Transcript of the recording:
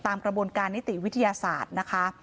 ตามกระบวนการนิติวิทยาศาสตร์นะคะ